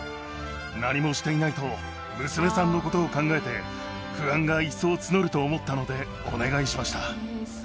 何もしていないと娘さんのことを考えて、不安が一層募ると思ったので、お願いしました。